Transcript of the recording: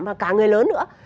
và cả người lớn nữa